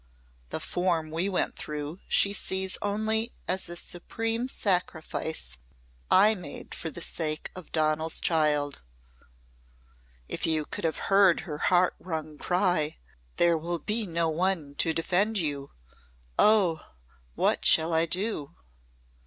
The form we went through she sees only as a supreme sacrifice I made for the sake of Donal's child. If you could have heard her heart wrung cry, 'There will be no one to defend you! Oh! What shall I do!'"